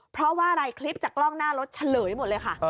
เพราะว่าไลค์คลิปจากล่องหน้ารถชะเหรออยู่หมดเลยค่ะ